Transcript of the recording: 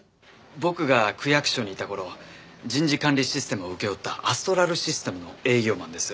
僕が区役所にいた頃人事管理システムを請け負ったアストラルシステムの営業マンです。